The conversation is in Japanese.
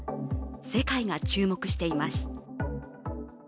世界が注目しています。